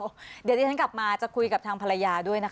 เดี๋ยวที่ฉันกลับมาจะคุยกับทางภรรยาด้วยนะคะ